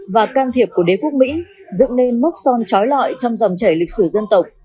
và can thiệp của đế quốc mỹ dựng nên mốc son trói lọi trong dòng chảy lịch sử dân tộc